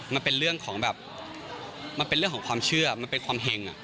มันเป็นเรื่องของแบบมันเป็นเรื่องของความเชื่อมันเป็นความเห็ง